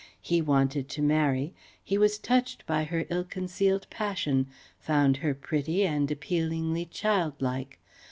He wanted to marry; he was touched by her ill concealed passion, found her pretty and appealingly childlike.